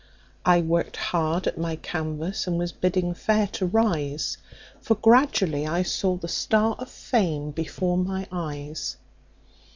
I worked hard at my canvas, and was bidding fair to rise, For gradually I saw the star of fame before my eyes.